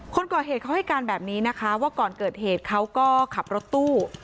คนก่อเหตุเขาให้การแบบนี้นะคะว่าก่อนเกิดเหตุเขาก็ขับรถตู้